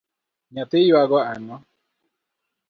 Nyathi ywago ang’o?